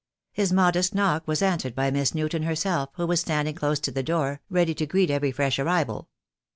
His modest knock was answered by Miss Newton herself, who was standing close to the door, ready to greet every fresh arrival.